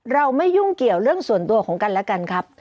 ไม่ยุ่งเกี่ยวเรื่องส่วนตัวของกันและกันครับ